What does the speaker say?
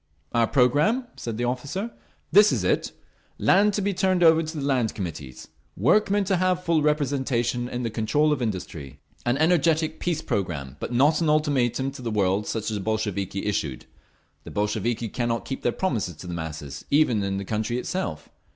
"Our programme?" said the officer. "This is it. Land to be turned over to the Land Committees. Workmen to have full representation in the control of industry. An energetic peace programme, but not an ultimatum to the world such as the Bolsheviki issued. The Bolsheviki cannot keep their promises to the masses, even in the country itself.